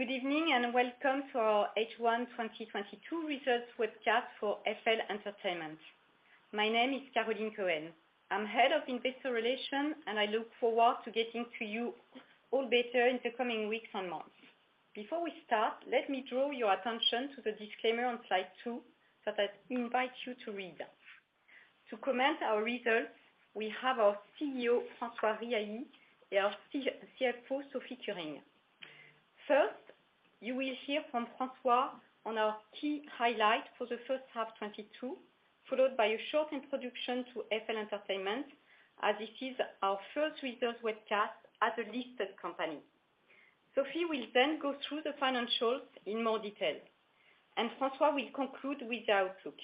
Good evening and welcome to our H1 2022 results webcast for FL Entertainment. My name is Caroline Cohen. I'm Head of Investor Relations, and I look forward to getting to know you all better in the coming weeks and months. Before we start, let me draw your attention to the disclaimer on slide 2 that I invite you to read. To comment on our results, we have our CEO, François Riahi, and our CFO, Sophie Kurinckx. First, you will hear from François on our key highlights for the first half 2022, followed by a short introduction to FL Entertainment as this is our first results webcast as a listed company. Sophie will then go through the financials in more detail, and François will conclude with the outlook.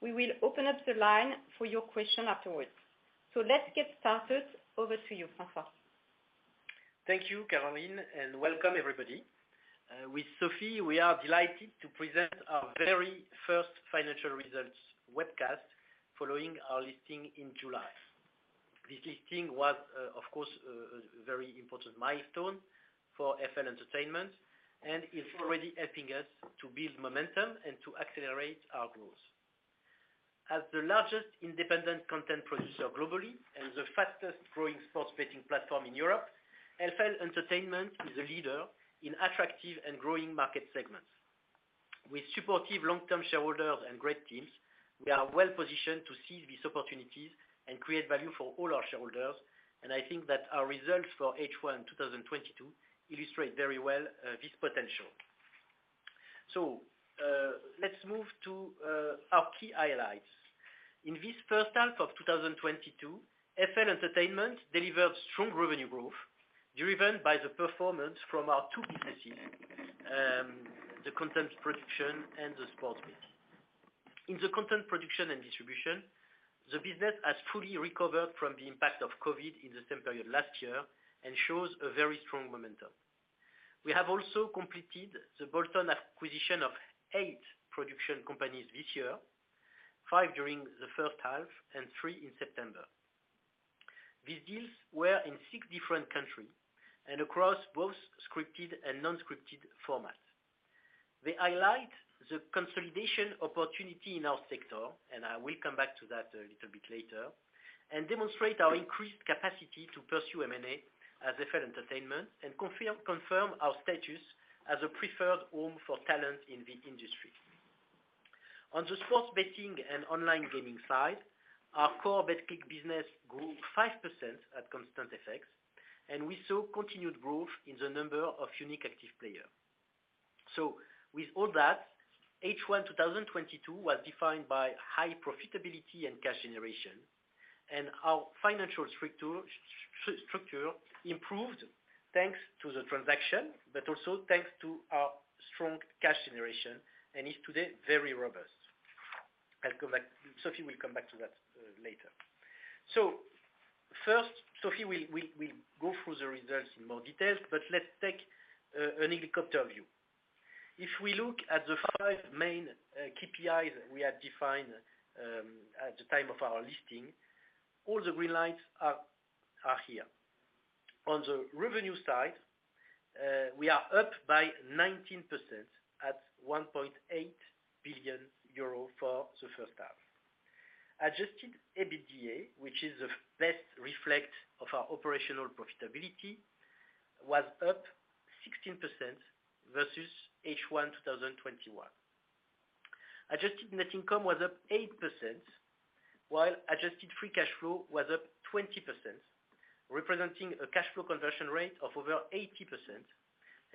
We will open up the line for your questions afterwards. Let's get started. Over to you, François. Thank you, Caroline, and welcome everybody. With Sophie, we are delighted to present our very first financial results webcast following our listing in July. This listing was, of course, a very important milestone for FL Entertainment and is already helping us to build momentum and to accelerate our growth. As the largest independent content producer globally and the fastest-growing sports betting platform in Europe, FL Entertainment is a leader in attractive and growing market segments. With supportive long-term shareholders and great teams, we are well-positioned to seize these opportunities and create value for all our shareholders, and I think that our results for H1 2022 illustrate very well this potential. Let's move to our key highlights. In this first half of 2022, FL Entertainment delivered strong revenue growth driven by the performance from our two businesses, the content production and the sports betting. In the content production and distribution, the business has fully recovered from the impact of COVID in the same period last year and shows a very strong momentum. We have also completed the bolt-on acquisition of eight production companies this year, five during the first half and three in September. These deals were in six different countries and across both scripted and non-scripted formats. They highlight the consolidation opportunity in our sector, and I will come back to that a little bit later, and demonstrate our increased capacity to pursue M&A as FL Entertainment and confirm our status as a preferred home for talent in the industry. On the sports betting and online gaming side, our core Betclic business grew 5% at constant FX, and we saw continued growth in the number of unique active players. With all that, H1 2022 was defined by high profitability and cash generation, and our financial structure improved thanks to the transaction, but also thanks to our strong cash generation and is today very robust. I'll come back. Sophie will come back to that later. First, Sophie will go through the results in more details, but let's take a helicopter view. If we look at the five main KPIs we have defined at the time of our listing, all the green lights are here. On the revenue side, we are up by 19% at 1.8 billion euro for the first half. Adjusted EBITDA, which is the best reflection of our operational profitability, was up 16% versus H1 2021. Adjusted net income was up 8%, while adjusted free cash flow was up 20%, representing a cash flow conversion rate of over 80%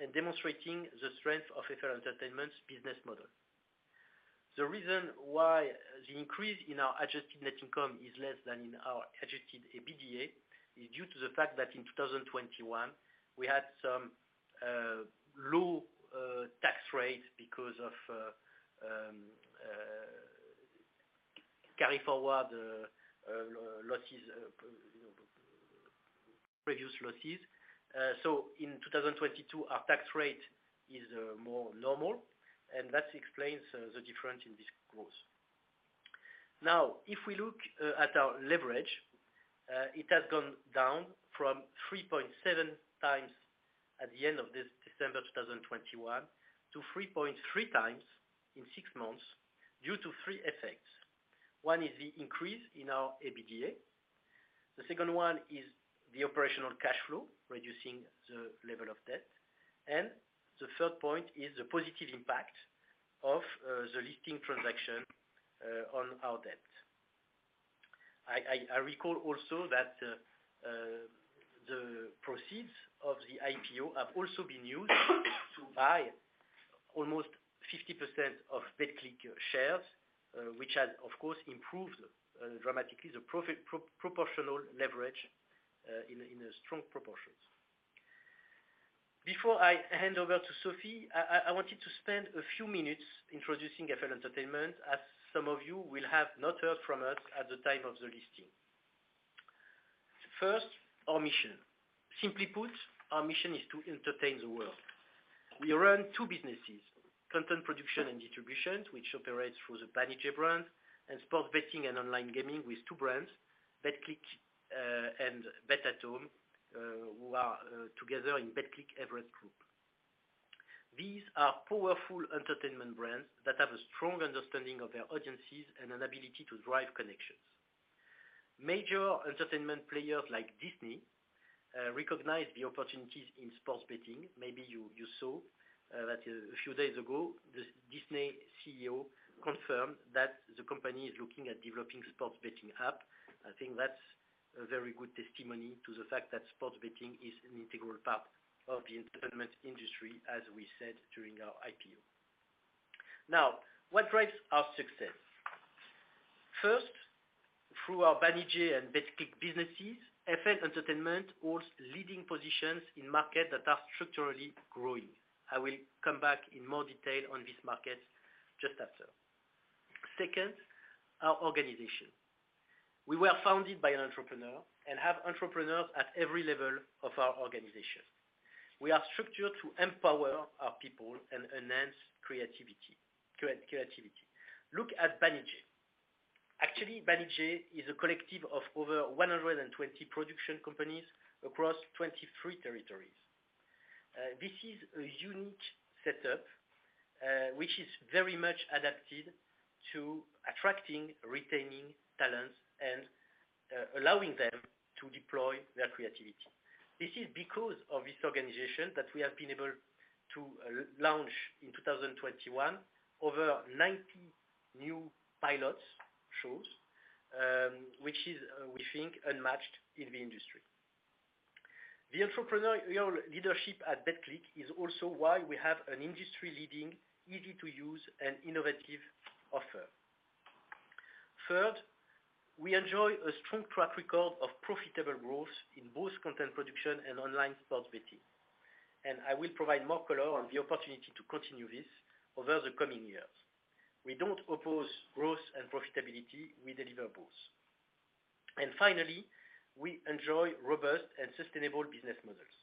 and demonstrating the strength of FL Entertainment's business model. The reason why the increase in our adjusted net income is less than in our adjusted EBITDA is due to the fact that in 2021, we had somewhat low tax rate because of carry forward previous losses. In 2022, our tax rate is more normal, and that explains the difference in this growth. Now, if we look at our leverage, it has gone down from 3.7x at the end of this December 2021 to 3.3x in six months due to three effects. One is the increase in our EBITDA. The second one is the operational cash flow, reducing the level of debt. The third point is the positive impact of the listing transaction on our debt. I recall also that the proceeds of the IPO have also been used to buy almost 50% of Betclic shares, which has, of course, improved dramatically the proportional leverage in strong proportions. Before I hand over to Sophie, I wanted to spend a few minutes introducing FL Entertainment, as some of you will have not heard from us at the time of the listing. First, our mission. Simply put, our mission is to entertain the world. We run two businesses, content production and distribution, which operates through the Banijay brand, and sports betting and online gaming with two brands, Betclic, and bet-at-home, who are together in Betclic Everest Group. These are powerful entertainment brands that have a strong understanding of their audiences and an ability to drive connections. Major entertainment players like Disney recognize the opportunities in sports betting. Maybe you saw that a few days ago, the Disney CEO confirmed that the company is looking at developing sports betting app. I think that's a very good testimony to the fact that sports betting is an integral part of the entertainment industry, as we said during our IPO. Now, what drives our success? First, through our Banijay and Betclic businesses, FL Entertainment holds leading positions in markets that are structurally growing. I will come back in more detail on this market just after. Second, our organization. We were founded by an entrepreneur and have entrepreneurs at every level of our organization. We are structured to empower our people and enhance creativity. Look at Banijay. Actually, Banijay is a collective of over 120 production companies across 23 territories. This is a unique setup, which is very much adapted to attracting, retaining talents and allowing them to deploy their creativity. This is because of this organization that we have been able to launch in 2021 over 90 new pilot shows, which is, we think, unmatched in the industry. The entrepreneurial leadership at Betclic is also why we have an industry-leading, easy-to-use and innovative offer. Third, we enjoy a strong track record of profitable growth in both content production and online sports betting. I will provide more color on the opportunity to continue this over the coming years. We don't oppose growth and profitability, we deliver both. Finally, we enjoy robust and sustainable business models.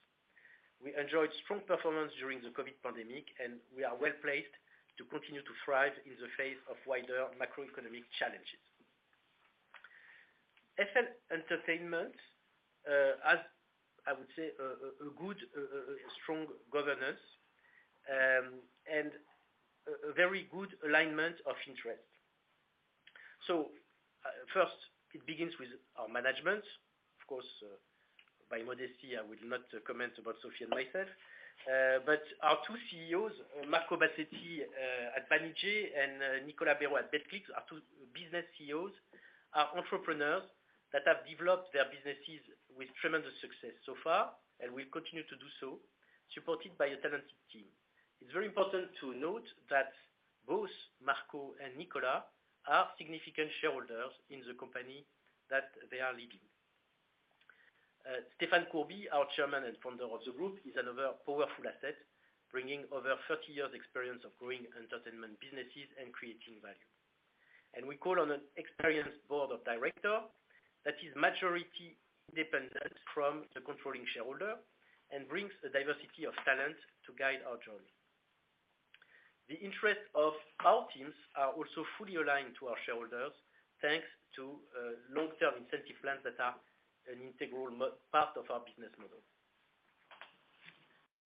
We enjoyed strong performance during the COVID pandemic, and we are well-placed to continue to thrive in the face of wider macroeconomic challenges. FL Entertainment has, I would say, a good, a strong governance, and a very good alignment of interest. First, it begins with our management. Of course, by modesty, I will not comment about Sophie and myself. Our two CEOs, Marco Bassetti at Banijay and Nicolas Béraud at Betclic, are two business CEOs, entrepreneurs that have developed their businesses with tremendous success so far and will continue to do so, supported by a talented team. It's very important to note that both Marco and Nicolas are significant shareholders in the company that they are leading. Stéphane Courbit, our Chairman and Founder of the group, is another powerful asset, bringing over 30 years' experience of growing entertainment businesses and creating value. We call on an experienced board of director that is majority independent from the controlling shareholder and brings a diversity of talent to guide our journey. The interest of our teams are also fully aligned to our shareholders, thanks to long-term incentive plans that are an integral part of our business model.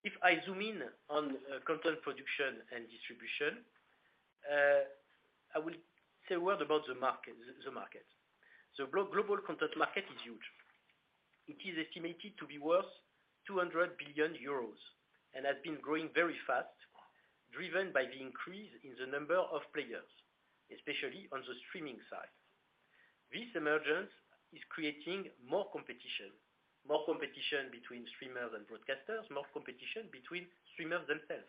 If I zoom in on content production and distribution, I will say a word about the market. The global content market is huge. It is estimated to be worth 200 billion euros and has been growing very fast, driven by the increase in the number of players, especially on the streaming side. This emergence is creating more competition, more competition between streamers and broadcasters, more competition between streamers themselves.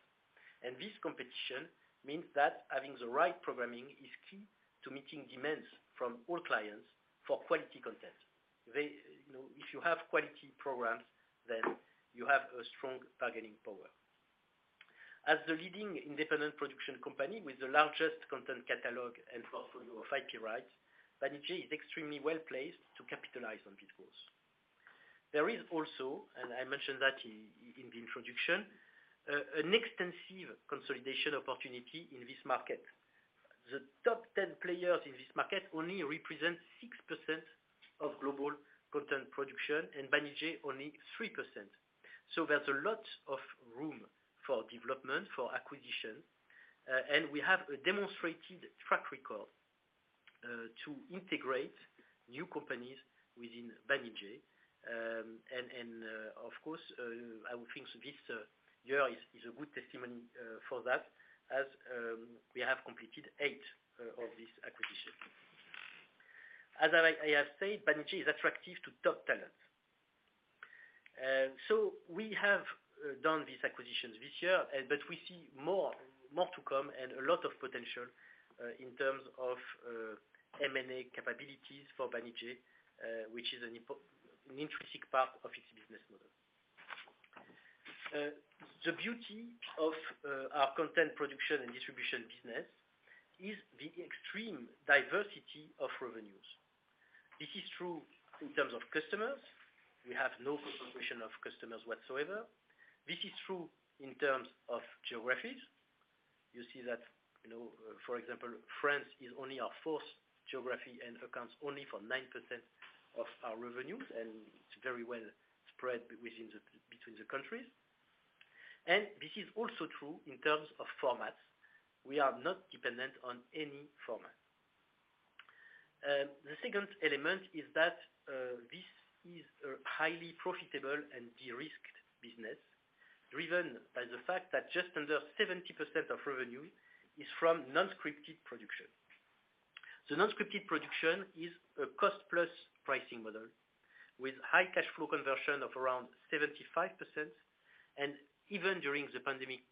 This competition means that having the right programming is key to meeting demands from all clients for quality content. They, you know, if you have quality programs, then you have a strong bargaining power. As the leading independent production company with the largest content catalog and portfolio of IP rights, Banijay is extremely well-placed to capitalize on this growth. There is also, and I mentioned that in the introduction, an extensive consolidation opportunity in this market. The top 10 players in this market only represent 6% of global content production, and Banijay only 3%. There's a lot of room for development, for acquisition, and we have a demonstrated track record to integrate new companies within Banijay. And of course, I would think this year is a good testimony for that as we have completed eight of these acquisitions. As I have said, Banijay is attractive to top talent. So we have done these acquisitions this year, but we see more to come and a lot of potential in terms of M&A capabilities for Banijay, which is an intrinsic part of its business model. The beauty of our content production and distribution business is the extreme diversity of revenues. This is true in terms of customers. We have no contribution of customers whatsoever. This is true in terms of geographies. You see that, you know, for example, France is only our fourth geography and accounts only for 9% of our revenues, and it's very well spread between the countries. This is also true in terms of formats. We are not dependent on any format. The second element is that this is a highly profitable and de-risked business, driven by the fact that just under 70% of revenue is from non-scripted production. Non-scripted production is a cost-plus pricing model, with high cash flow conversion of around 75%. Even during the pandemic,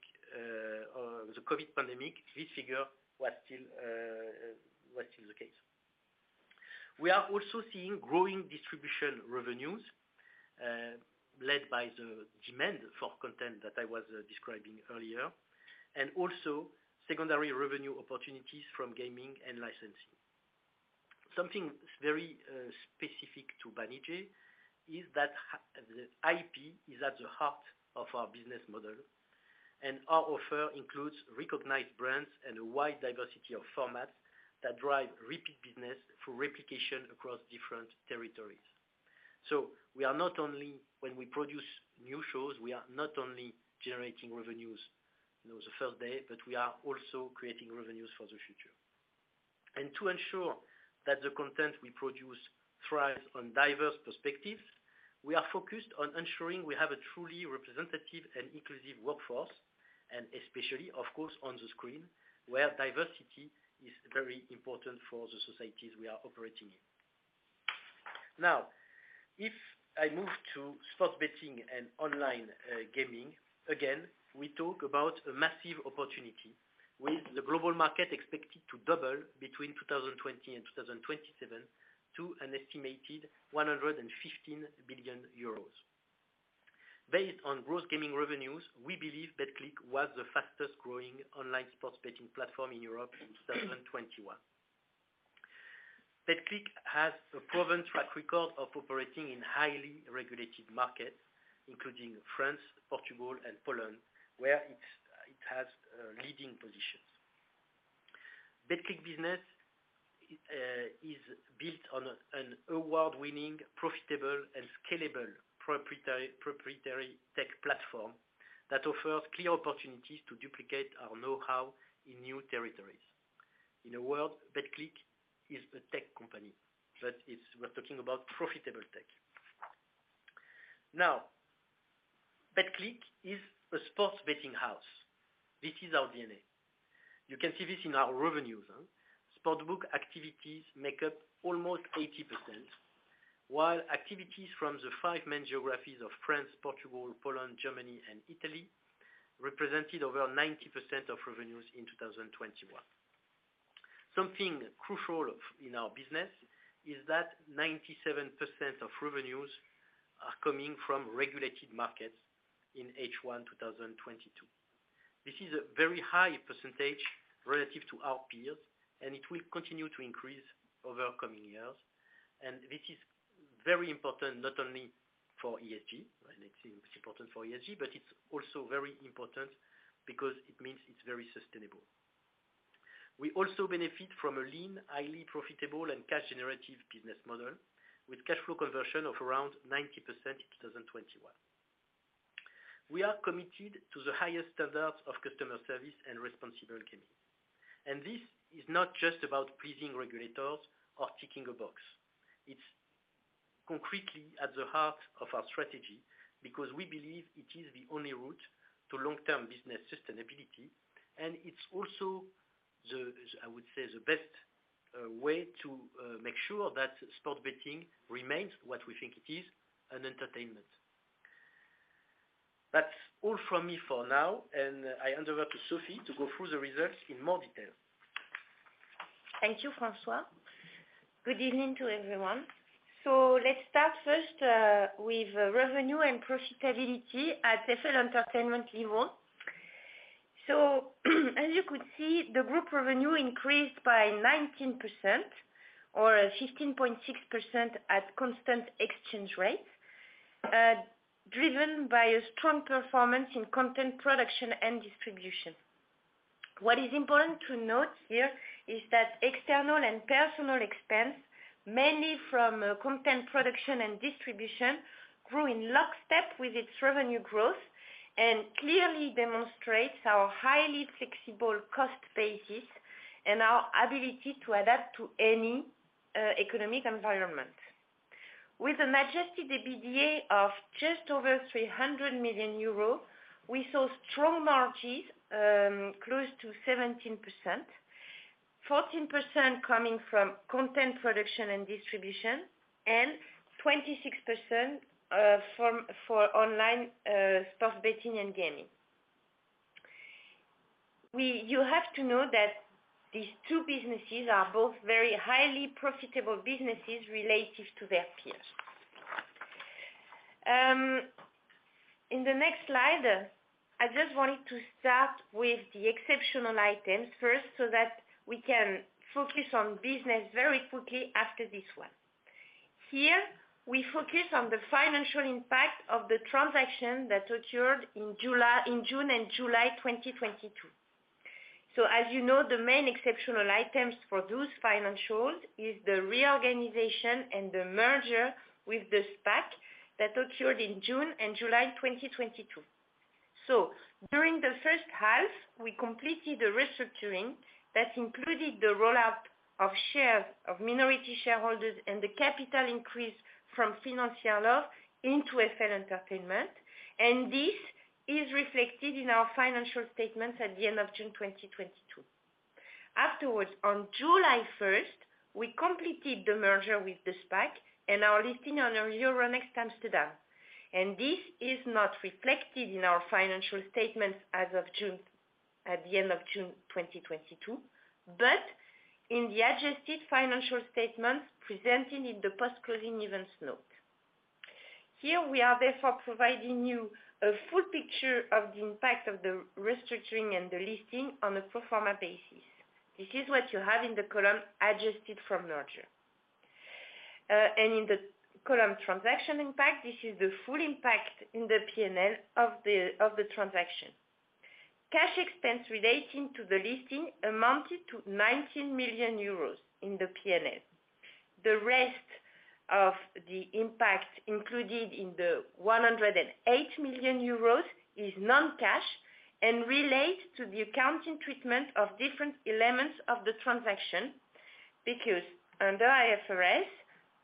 or the COVID pandemic, this figure was still the case. We are also seeing growing distribution revenues, led by the demand for content that I was describing earlier, and also secondary revenue opportunities from gaming and licensing. Something very specific to Banijay is that the IP is at the heart of our business model, and our offer includes recognized brands and a wide diversity of formats that drive repeat business through replication across different territories. We are not only when we produce new shows, we are not only generating revenues, you know, the first day, but we are also creating revenues for the future. To ensure that the content we produce thrives on diverse perspectives, we are focused on ensuring we have a truly representative and inclusive workforce, and especially, of course, on the screen, where diversity is very important for the societies we are operating in. Now, if I move to sports betting and online gaming, again, we talk about a massive opportunity with the global market expected to double between 2020 and 2027 to an estimated 115 billion euros. Based on gross gaming revenues, we believe Betclic was the fastest growing online sports betting platform in Europe in 2021. Betclic has a proven track record of operating in highly regulated markets, including France, Portugal, and Poland, where it has leading positions. Betclic business is built on an award-winning, profitable, and scalable proprietary tech platform that offers clear opportunities to duplicate our know-how in new territories. In a word, Betclic is a tech company. We're talking about profitable tech. Now, Betclic is a sports betting house. This is our DNA. You can see this in our revenues. Sportsbook activities make up almost 80%, while activities from the five main geographies of France, Portugal, Poland, Germany, and Italy represented over 90% of revenues in 2021. Something crucial in our business is that 97% of revenues are coming from regulated markets in H1 2022. This is a very high percentage relative to our peers, and it will continue to increase over coming years. This is very important not only for ESG, right, it's important for ESG, but it's also very important because it means it's very sustainable. We also benefit from a lean, highly profitable, and cash generative business model, with cash flow conversion of around 90% in 2021. We are committed to the highest standards of customer service and responsible gaming. This is not just about pleasing regulators or ticking a box. It's concretely at the heart of our strategy because we believe it is the only route to long-term business sustainability, and it's also the, I would say, the best way to make sure that sports betting remains what we think it is, an entertainment. That's all from me for now, and I hand over to Sophie to go through the results in more detail. Thank you, François. Good evening to everyone. Let's start first with revenue and profitability at FL Entertainment level. As you could see, the group revenue increased by 19% or 15.6% at constant exchange rates, driven by a strong performance in content production and distribution. What is important to note here is that external and personnel expense, mainly from content production and distribution, grew in lockstep with its revenue growth and clearly demonstrates our highly flexible cost basis and our ability to adapt to any economic environment. With an adjusted EBITDA of just over 300 million euros, we saw strong margins close to 17%, 14% coming from content production and distribution, and 26% from online sports betting and gaming. You have to know that these two businesses are both very highly profitable businesses relative to their peers. In the next slide, I just wanted to start with the exceptional items first, so that we can focus on business very quickly after this one. Here, we focus on the financial impact of the transaction that occurred in June and July 2022. As you know, the main exceptional items for those financials is the reorganization and the merger with the SPAC that occurred in June and July 2022. During the first half, we completed the restructuring that included the rollout of shares of minority shareholders and the capital increase from Financière LOV into FL Entertainment. This is reflected in our financial statements at the end of June 2022. Afterwards, on July first, we completed the merger with the SPAC and our listing on Euronext Amsterdam. This is not reflected in our financial statements as of the end of June 2022, but in the adjusted financial statements presented in the post-closing events note. Here we are therefore providing you a full picture of the impact of the restructuring and the listing on a pro forma basis. This is what you have in the column Adjusted from Merger. In the column Transaction Impact, this is the full impact in the P&L of the transaction. Cash expense relating to the listing amounted to 19 million euros in the P&L. The rest of the impact included in the 108 million euros is non-cash and relates to the accounting treatment of different elements of the transaction. Under IFRS,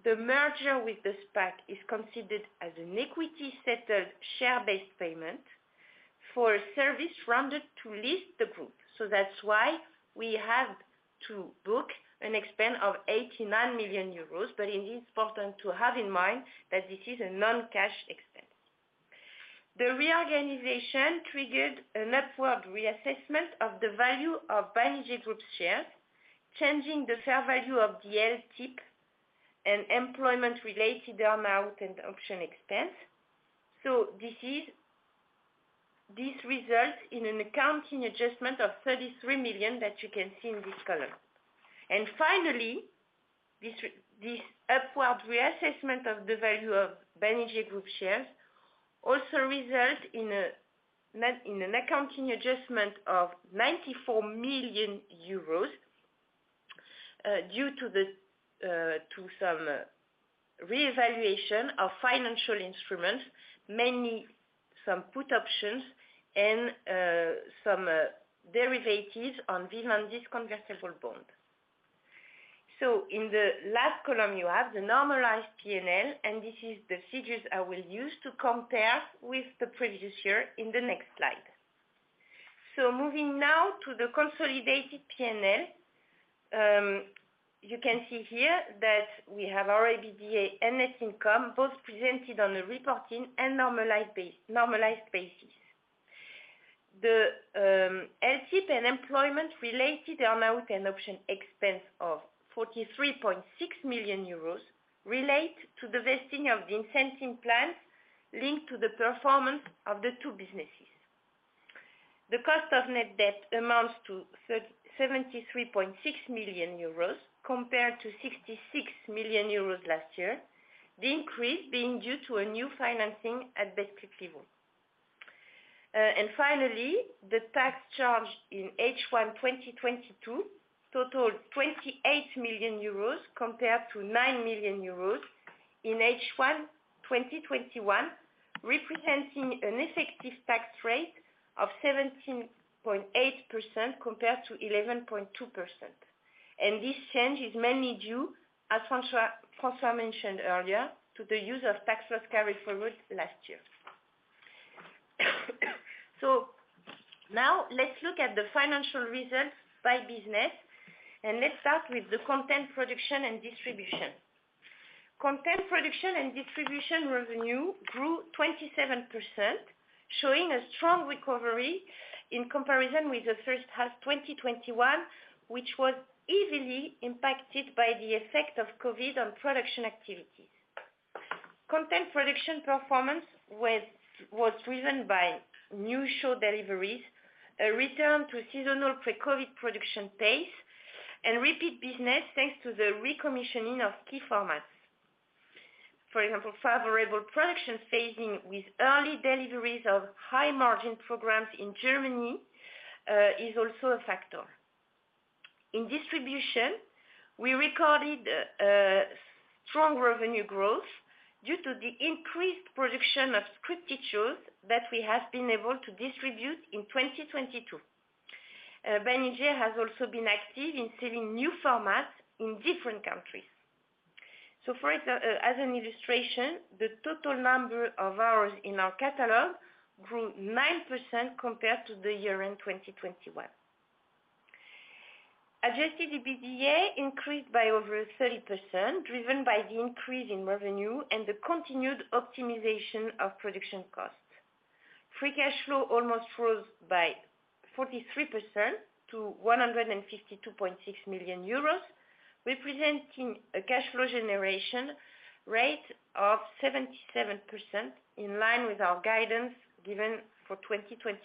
the merger with the SPAC is considered as an equity-settled, share-based payment for a service rendered to list the group. That's why we have to book an expense of 89 million euros. It is important to have in mind that this is a non-cash expense. The reorganization triggered an upward reassessment of the value of Banijay Group shares, changing the fair value of the LTIP and employment-related amount and option expense. This results in an accounting adjustment of 33 million that you can see in this column. Finally, this upward reassessment of the value of Banijay Group shares also results in an accounting adjustment of 94 million euros due to some reevaluation of financial instruments, mainly some put options and some derivatives on Vivendi convertible bond. In the last column, you have the normalized P&L, and this is the figures I will use to compare with the previous year in the next slide. Moving now to the consolidated P&L. You can see here that we have our EBITDA and net income both presented on a reporting and normalized basis. The LTIP and employment-related earnout and option expense of 43.6 million euros relate to the vesting of the incentive plan linked to the performance of the two businesses. The cost of net debt amounts to 73.6 million euros compared to 66 million euros last year, the increase being due to a new financing at Banijay level. Finally, the tax charge in H1 2022 totaled 28 million euros compared to 9 million euros in H1 2021, representing an effective tax rate of 17.8% compared to 11.2%. This change is mainly due, as François Riahi mentioned earlier, to the use of tax loss carried forward last year. Now let's look at the financial results by business, and let's start with the content production and distribution. Content production and distribution revenue grew 27%, showing a strong recovery in comparison with the first half 2021, which was heavily impacted by the effect of COVID on production activities. Content production performance was driven by new show deliveries, a return to seasonal pre-COVID production pace, and repeat business, thanks to the recommissioning of key formats. For example, favorable production phasing with early deliveries of high-margin programs in Germany is also a factor. In distribution, we recorded a strong revenue growth due to the increased production of scripted shows that we have been able to distribute in 2022. Banijay has also been active in selling new formats in different countries. As an illustration, the total number of hours in our catalog grew 9% compared to the year-end 2021. Adjusted EBITDA increased by over 30%, driven by the increase in revenue and the continued optimization of production costs. Free cash flow almost rose by 43% to 152.6 million euros, representing a cash flow generation rate of 77% in line with our guidance given for 2022.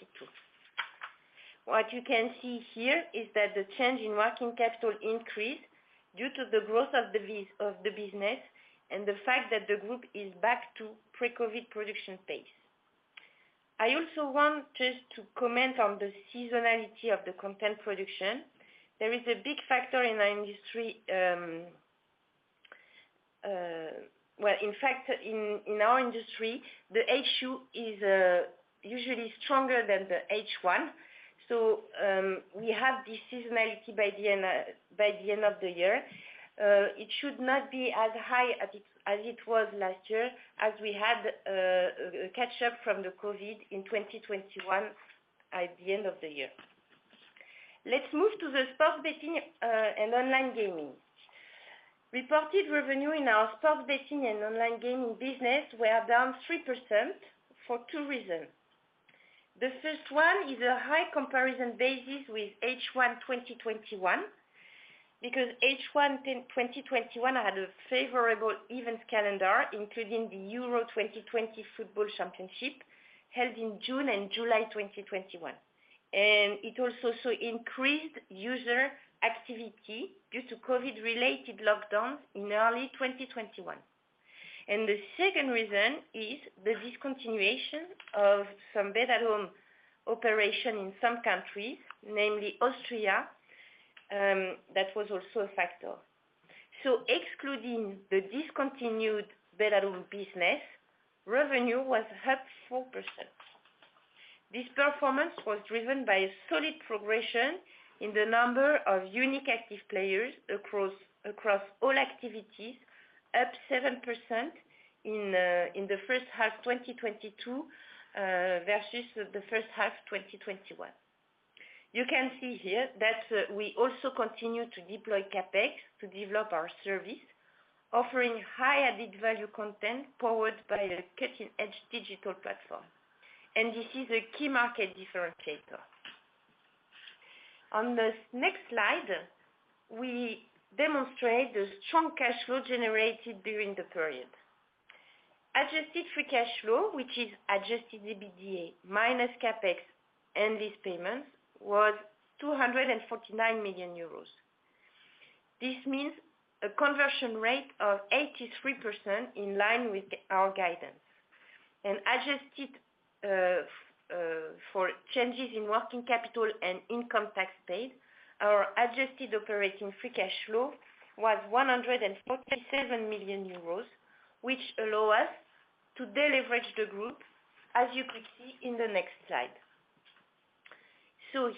What you can see here is that the change in working capital increased due to the growth of the business and the fact that the group is back to pre-COVID production pace. I also want just to comment on the seasonality of the content production. There is a big factor in our industry. Well, in fact, in our industry, the H2 is usually stronger than the H1. We have this seasonality by the end of the year. It should not be as high as it was last year as we had a catch up from the COVID in 2021 at the end of the year. Let's move to the sports betting and online gaming. Reported revenue in our sports betting and online gaming business were down 3% for two reasons. The first one is a high comparison basis with H1 2021, because H1 2021 had a favorable event calendar, including the Euro 2020 Football Championship held in June and July 2021. It also saw increased user activity due to COVID-related lockdowns in early 2021. The second reason is the discontinuation of some B2B operation in some countries, namely Austria, that was also a factor. Excluding the discontinued B2B business, revenue was up 4%. This performance was driven by a solid progression in the number of unique active players across all activities, up 7% in the first half 2022 versus the first half 2021. You can see here that we also continue to deploy CapEx to develop our service, offering high added value content powered by a cutting-edge digital platform. This is a key market differentiator. On this next slide, we demonstrate the strong cash flow generated during the period. Adjusted free cash flow, which is adjusted EBITDA minus CapEx and lease payments, was 249 million euros. This means a conversion rate of 83% in line with our guidance. Adjusted for changes in working capital and income tax paid, our adjusted operating free cash flow was 147 million euros, which allow us to deleverage the group, as you could see in the next slide.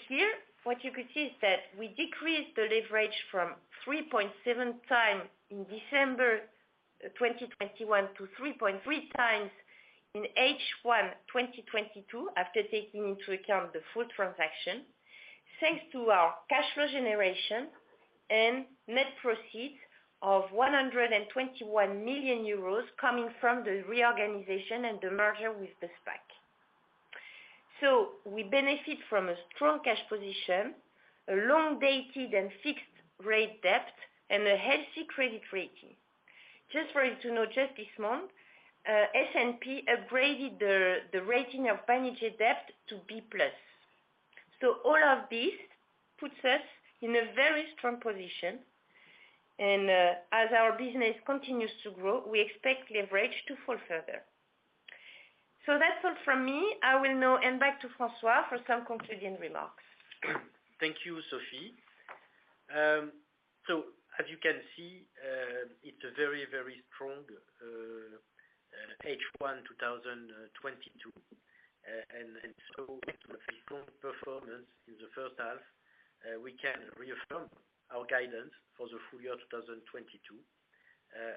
Here what you could see is that we decreased the leverage from 3.7x in December 2021 to 3.3x in H1 2022, after taking into account the full transaction. Thanks to our cash flow generation and net proceeds of 121 million euros coming from the reorganization and the merger with the SPAC. We benefit from a strong cash position, a long-dated and fixed rate debt, and a healthy credit rating. Just for you to know, just this month, S&P upgraded the rating of Banijay debt to B+. All of this puts us in a very strong position. As our business continues to grow, we expect leverage to fall further. That's all from me. I will now hand back to François Riahi for some concluding remarks. Thank you, Sophie. As you can see, it's a very, very strong H1 2022. With a strong performance in the first half, we can reaffirm our guidance for the full year 2022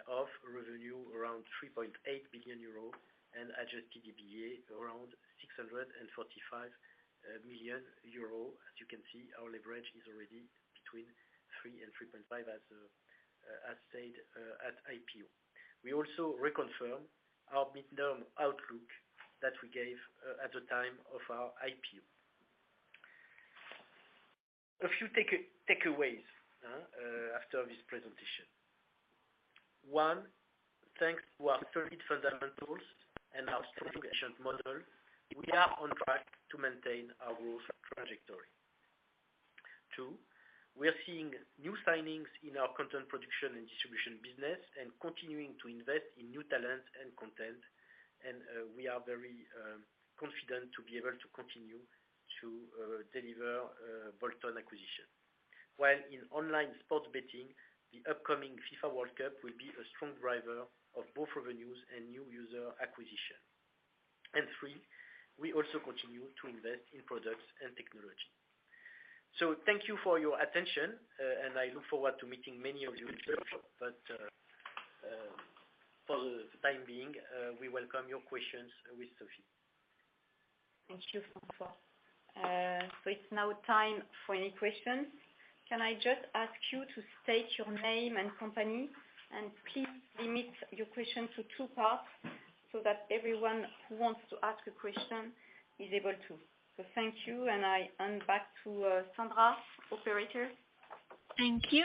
of revenue around 3.8 billion euro and adjusted EBITDA around 645 million euro. As you can see, our leverage is already between 3 and 3.5, as said at IPO. We also reconfirm our midterm outlook that we gave at the time of our IPO. A few takeaways after this presentation. One, thanks to our solid fundamentals and our strategic agent model, we are on track to maintain our growth trajectory. Two, we are seeing new signings in our content production and distribution business and continuing to invest in new talent and content. We are very confident to be able to continue to deliver bolt-on acquisition. While in online sports betting, the upcoming FIFA World Cup will be a strong driver of both revenues and new user acquisition. Three, we also continue to invest in products and technology. Thank you for your attention, and I look forward to meeting many of you in person. For the time being, we welcome your questions with Sophie. Thank you, François. It's now time for any questions. Can I just ask you to state your name and company, and please limit your question to two parts so that everyone who wants to ask a question is able to. Thank you, and I hand back to Sandra, operator. Thank you.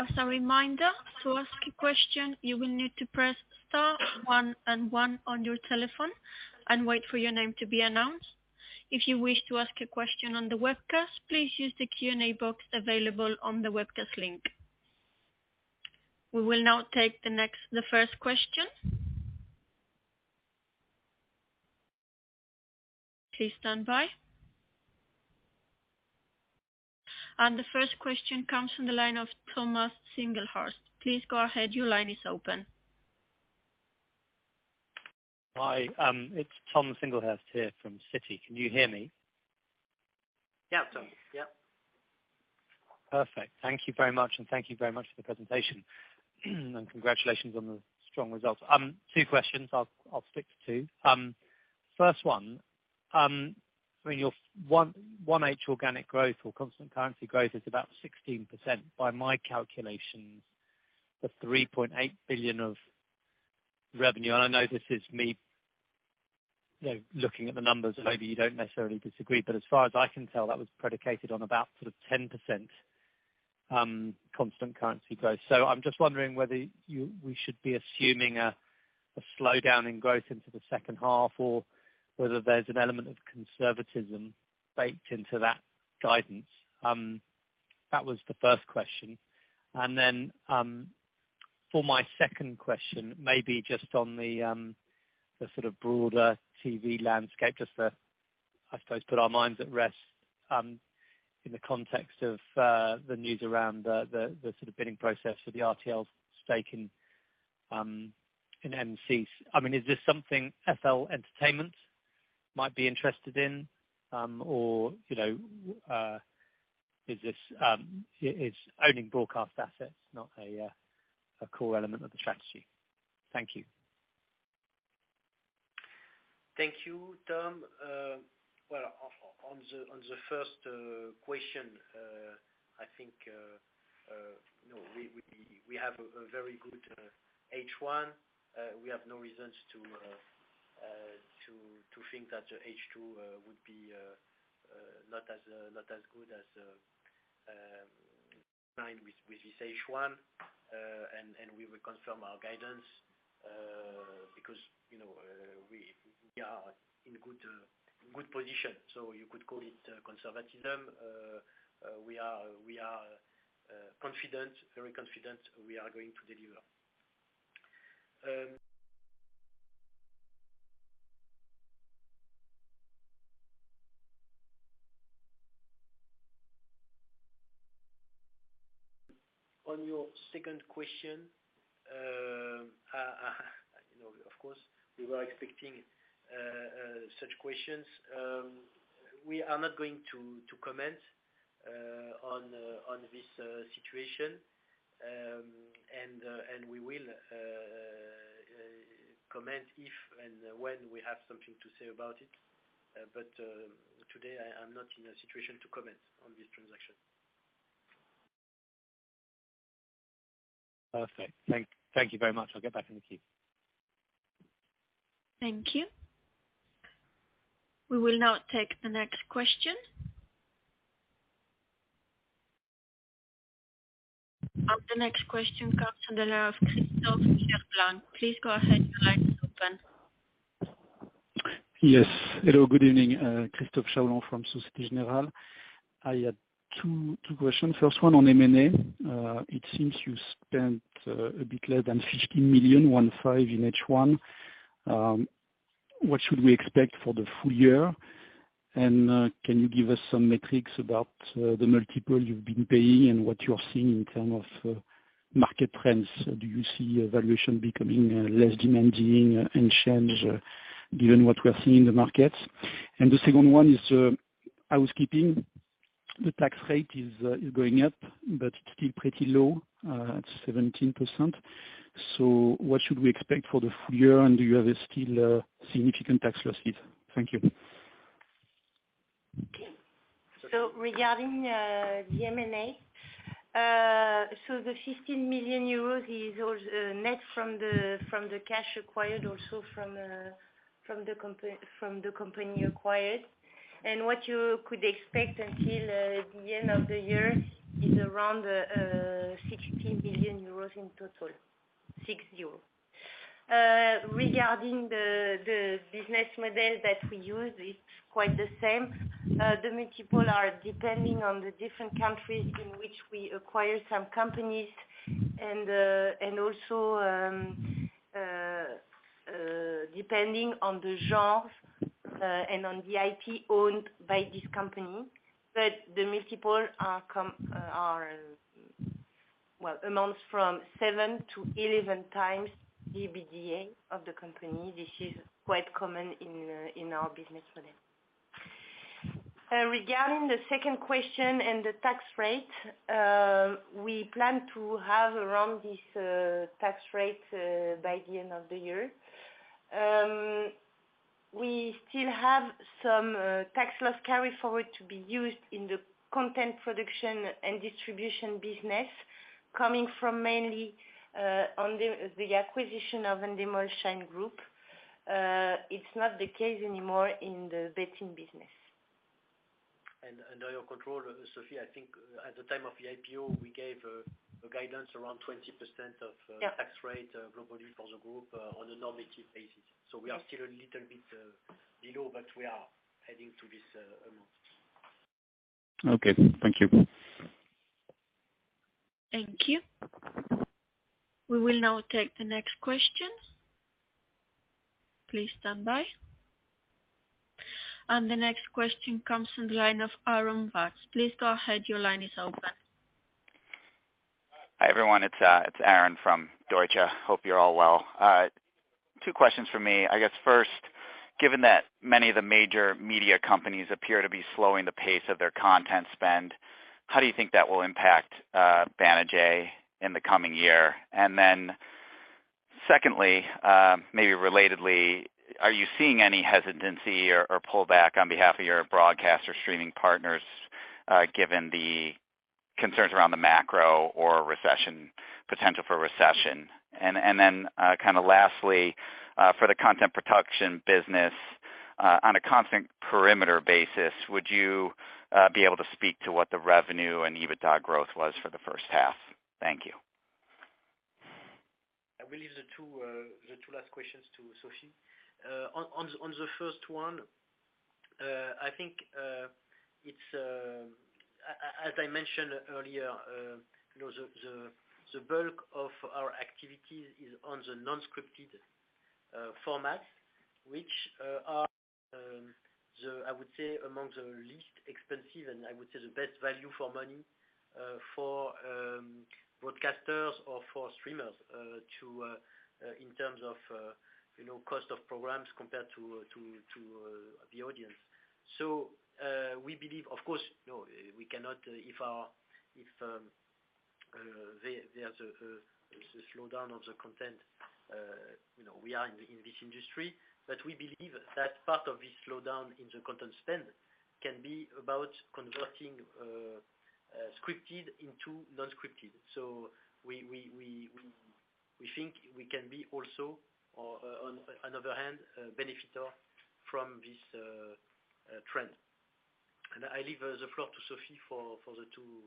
As a reminder, to ask a question, you will need to press star one and one on your telephone and wait for your name to be announced. If you wish to ask a question on the webcast, please use the Q&A box available on the webcast link. We will now take the first question. Please stand by. The first question comes from the line of Thomas Singlehurst. Please go ahead. Your line is open. Hi, it's Tom Singlehurst here from Citi. Can you hear me? Yeah, Tom. Yeah. Perfect. Thank you very much, and thank you very much for the presentation. Congratulations on the strong results. Two questions. I'll stick to two. First one, I mean, your 1H organic growth or constant currency growth is about 16% by my calculations, the 3.8 billion of revenue. I know this is me, you know, looking at the numbers, and maybe you don't necessarily disagree. As far as I can tell, that was predicated on about sort of 10% constant currency growth. I'm just wondering whether we should be assuming a slowdown in growth into the second half or whether there's an element of conservatism baked into that guidance. That was the first question. For my second question, maybe just on the sort of broader TV landscape, just to, I suppose, put our minds at rest, in the context of the news around the sort of bidding process for the RTL stake in M6. I mean, is this something FL Entertainment might be interested in? Or, you know, is owning broadcast assets not a core element of the strategy? Thank you. Thank you, Tom. Well, on the first question, I think you know we have a very good H1. We have no reasons to think that H2 would be in line with this H1. We will confirm our guidance because you know we are in a good position. You could call it conservatism. We are confident, very confident we are going to deliver. On your second question, you know, of course, we were expecting such questions. We are not going to comment on this situation. We will comment if and when we have something to say about it. Today I am not in a situation to comment on this transaction. Perfect. Thank you very much. I'll get back in the queue. Thank you. We will now take the next question. The next question comes from the line of Christophe Charbonnier. Please go ahead, your line is open. Yes. Hello, good evening. Christophe Charbonnier from Société Générale. I had two questions. First one on M&A. It seems you spent a bit less than 15 million in H1. What should we expect for the full year? Can you give us some metrics about the multiple you've been paying and what you are seeing in terms of market trends? Do you see valuation becoming less demanding, unchanged given what we are seeing in the markets? The second one is housekeeping. The tax rate is going up, but it's still pretty low at 17%. What should we expect for the full year? Do you still have a significant tax loss here? Thank you. Okay. Regarding the M&A, the 15 million euros is net from the cash acquired also from the company acquired. What you could expect until the end of the year is around 60 million euros in total. Regarding the business model that we use is quite the same. The multiples are depending on the different countries in which we acquire some companies and also depending on the genres and on the IP owned by this company. The multiples are, well, amounts from 7-11x EBITDA of the company. This is quite common in our business model. Regarding the second question and the tax rate, we plan to have around this tax rate by the end of the year. We still have some tax loss carry forward to be used in the content production and distribution business coming from mainly the acquisition of Endemol Shine Group. It's not the case anymore in the betting business. Under your control, Sophie, I think at the time of the IPO, we gave a guidance around 20% of Yeah Tax rate globally for the group on a normative basis. We are still a little bit below, but we are heading to this amount. Okay, thank you. Thank you. We will now take the next question. Please stand by. The next question comes from the line of Aaron Watt. Please go ahead. Your line is open. Hi, everyone. It's Aaron from Deutsche Bank. Hope you're all well. Two questions from me. I guess first, given that many of the major media companies appear to be slowing the pace of their content spend, how do you think that will impact Banijay in the coming year? And then secondly, maybe relatedly, are you seeing any hesitancy or pullback on behalf of your broadcast or streaming partners, given the concerns around the macro or recession, potential for recession? And then, kinda lastly, for the content production business, on a constant perimeter basis, would you be able to speak to what the revenue and EBITDA growth was for the first half? Thank you. I will leave the two last questions to Sophie. On the first one, I think, as I mentioned earlier, you know, the bulk of our activities is on the non-scripted formats, which are, I would say, among the least expensive and I would say the best value for money for broadcasters or for streamers in terms of, you know, cost of programs compared to the audience. We believe of course, you know, we cannot if there is a slowdown of the content, you know, we are in this industry. We believe that part of this slowdown in the content spend can be about converting scripted into non-scripted. We think we can be also, or on the other hand, a beneficiary from this trend. I leave the floor to Sophie for the two-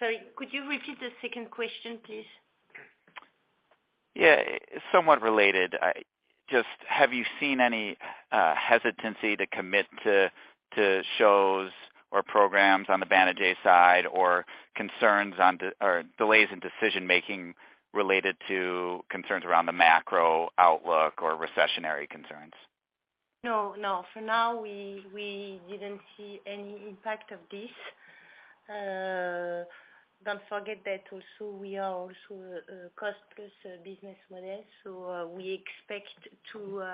Sorry, could you repeat the second question, please? Yeah. It's somewhat related. I just, have you seen any hesitancy to commit to shows or programs on the Banijay side, or concerns or delays in decision making related to concerns around the macro outlook or recessionary concerns? No, no. For now, we didn't see any impact of this. Don't forget that we are also a cost plus business model. We expect to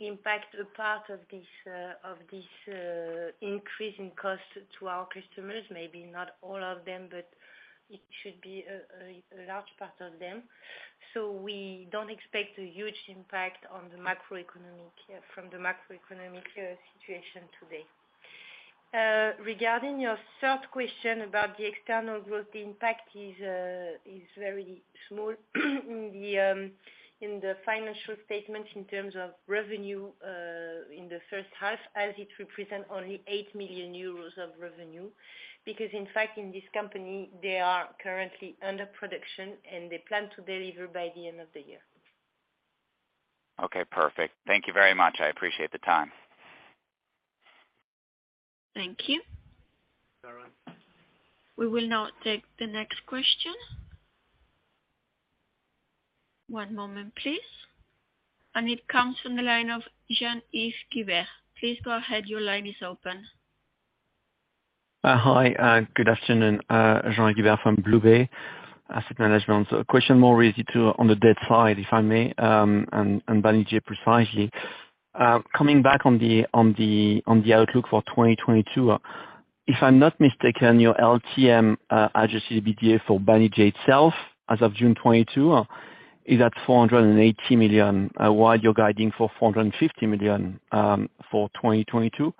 impact a part of this increase in cost to our customers. Maybe not all of them, but it should be a large part of them. We don't expect a huge impact from the macroeconomic situation today. Regarding your third question about the external growth impact is very small in the financial statement in terms of revenue in the first half, as it represent only 8 million euros of revenue. Because in fact, in this company, they are currently under production, and they plan to deliver by the end of the year. Okay, perfect. Thank you very much. I appreciate the time. Thank you. Aaron. We will now take the next question. One moment, please. It comes from the line of Jean-Yves Guibert. Please go ahead. Your line is open. Hi, good afternoon. Jean-Yves Guibert from BlueBay Asset Management. A question more related to on the debt side, if I may, and Banijay precisely. Coming back on the outlook for 2022, if I'm not mistaken, your LTM adjusted EBITDA for Banijay itself, as of June 2022, is at 480 million, while you're guiding for 450 million for 2022,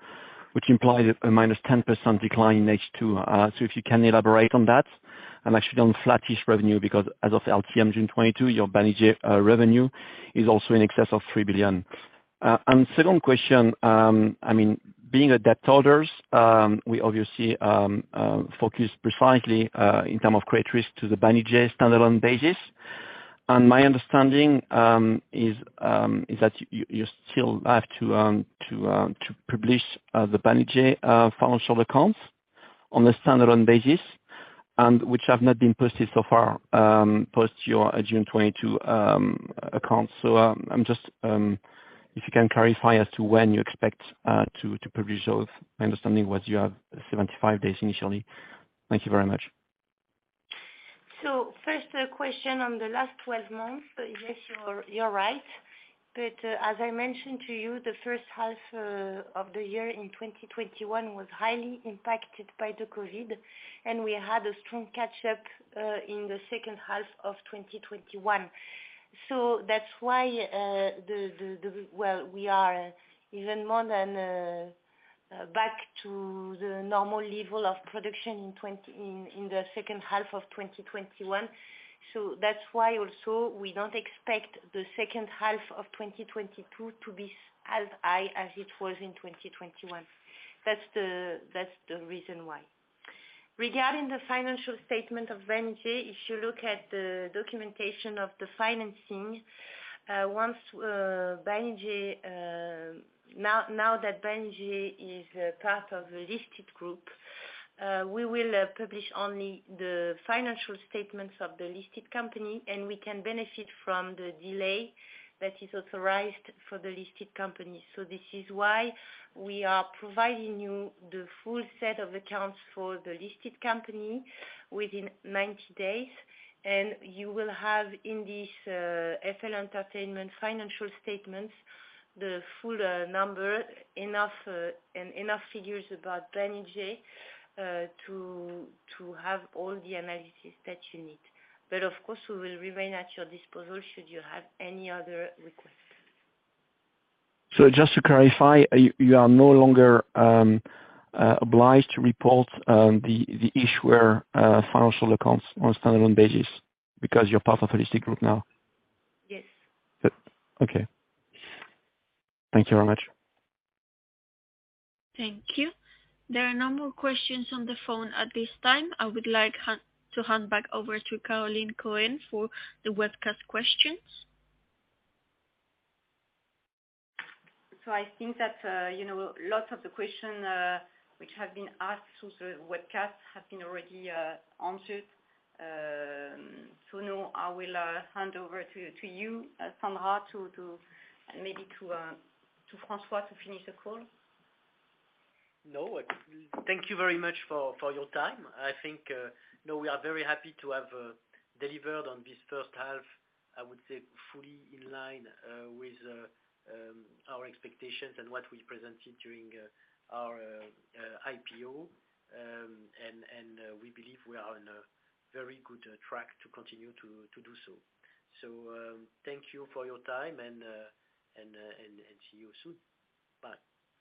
which implies a -10% decline in H2. If you can elaborate on that. I'm actually on flattish revenue because as of LTM June 2022, your Banijay revenue is also in excess of 3 billion. Second question, I mean, being a debt holders, we obviously focus precisely in terms of credit risk to the Banijay standalone basis. My understanding is that you still have to publish the Banijay financial accounts on a standalone basis, which have not been posted so far post your June 2022 accounts. I'm just if you can clarify as to when you expect to publish those. My understanding was you have 75 days initially. Thank you very much. First, question on the last 12 months. Yes, you're right. As I mentioned to you, the first half of the year in 2021 was highly impacted by the COVID, and we had a strong catch up in the second half of 2021. That's why well, we are even more than back to the normal level of production in the second half of 2021. That's why also we don't expect the second half of 2022 to be as high as it was in 2021. That's the reason why. Regarding the financial statement of Banijay, if you look at the documentation of the financing, once, Banijay. Now that Banijay is part of the listed group, we will publish only the financial statements of the listed company, and we can benefit from the delay that is authorized for the listed company. This is why we are providing you the full set of accounts for the listed company within 90 days. You will have in this FL Entertainment financial statements the full numbers and enough figures about Banijay to have all the analysis that you need. Of course, we will remain at your disposal should you have any other requests. Just to clarify, you are no longer obliged to report the issuer financial accounts on a standalone basis because you're part of a listed group now? Yes. Good. Okay. Thank you very much. Thank you. There are no more questions on the phone at this time. I would like to hand back over to Caroline Cohen for the webcast questions. I think that, you know, lots of the questions which have been asked through the webcast have been already answered. Now I will hand over to you, Sandra, maybe to François to finish the call. No. Thank you very much for your time. I think, you know, we are very happy to have delivered on this first half, I would say, fully in line with our expectations and what we presented during our IPO. We believe we are on a very good track to continue to do so. Thank you for your time and see you soon. Bye.